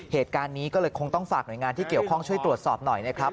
เหตุการณ์นี้ก็เลยคงต้องฝากหน่วยงานที่เกี่ยวข้องช่วยตรวจสอบหน่อยนะครับ